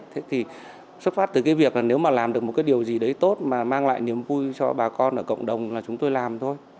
thế thì xuất phát từ cái việc là nếu mà làm được một cái điều gì đấy tốt mà mang lại niềm vui cho bà con ở cộng đồng là chúng tôi làm thôi